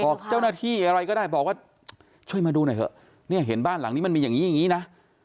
บอกเจ้าหน้าที่อะไรก็ได้บอกว่าช่วยมาดูหน่อยเถอะเนี่ยเห็นบ้านหลังนี้มันมีอย่างนี้อย่างนี้นะ